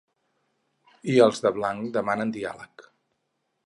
I els de blanc demanen diàleg.